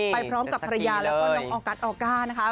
ไปพร้อมกับภรรยาแล้วก็น้องออกัสออก้านะคะ